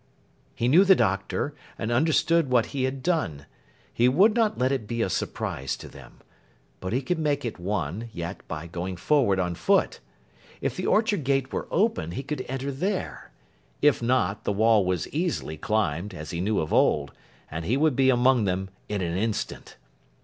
He knew the Doctor, and understood what he had done. He would not let it be a surprise to them. But he could make it one, yet, by going forward on foot. If the orchard gate were open, he could enter there; if not, the wall was easily climbed, as he knew of old; and he would be among them in an instant.